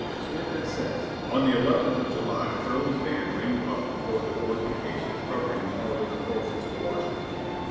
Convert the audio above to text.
Swinton says: "On the eleventh of July Early's van reined up before the fortifications covering the northern approaches to Washington.